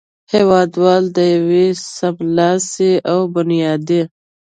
هېوادوال د یوه سملاسي او بنیادي